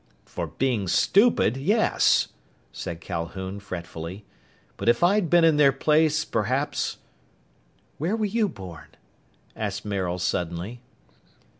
"For being stupid, yes," said Calhoun fretfully. "But if I'd been in their place, perhaps " "Where were you born?" asked Maril suddenly.